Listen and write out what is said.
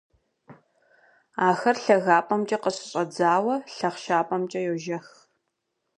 Ахэр лъагапӀэмкӀэ къыщыщӀэдзауэ лъахъшапӀэмкӀэ йожэх.